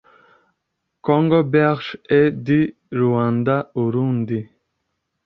congo belge et du ruanda urundi